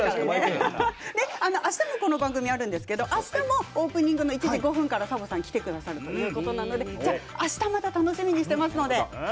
あしたもこの番組あるんですけどあしたもオープニングの１時５分からサボさん来てくれるということであした、また楽しみにしてますので。